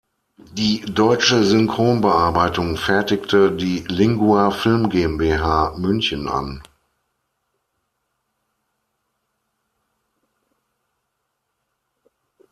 Die deutsche Synchronbearbeitung fertigte die Lingua Film GmbH, München, an.